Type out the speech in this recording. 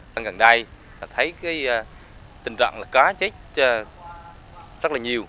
tăng gần đây thấy tình trạng cá chết rất là nhiều